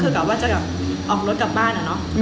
เพราะว่าจะออกรถกลับบ้าน